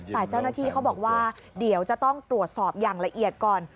แต่เจ้าหน้าที่เขาบอกว่าเดี๋ยวจะต้องตรวจสอบอย่างละเอียดก่อน